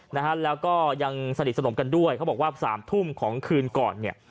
นะฮะแล้วก็ยังสนิทสนมกันด้วยเขาบอกว่าสามทุ่มของคืนก่อนเนี่ย